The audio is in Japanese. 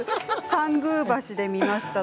参宮橋で見ました。